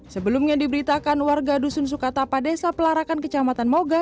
sebelumnya diberitakan warga dusun sukatapa desa pelarakan kecamatan moga